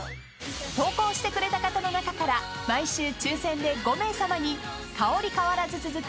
［投稿してくれた方の中から毎週抽選で５名さまに香り変わらず続く